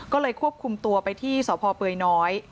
ก็เลยควบคุมตัวไปที่สพน